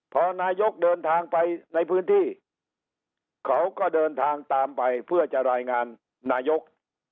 พอนายกเดินทางไปในพื้นที่เขาก็เดินทางตามไปเพื่อจะรายงานนายก